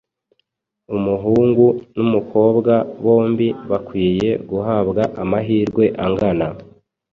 umuhungu n’umukobwa bombi bakwiye guhabwa amahirwe angana